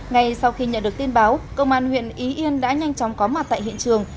ngay sau khi nhận được tin báo công an huyện ý yên đã nhanh chóng có mặt tại hiện trường